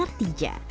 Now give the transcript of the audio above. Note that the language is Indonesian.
salah satunya kartija